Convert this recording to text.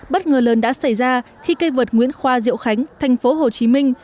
bất ngờ lớn đã xảy ra khi cây vượt nguyễn khoa diệu khánh thành phố hồ chí minh